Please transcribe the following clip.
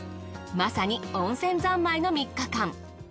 まさに温泉三昧の３日間。